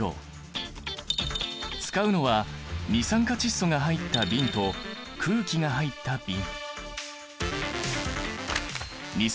使うのは二酸化窒素が入った瓶と空気が入った瓶。